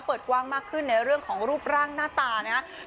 เปิดกว้างมากขึ้นในเรื่องของรูปร่างหน้าตานะครับ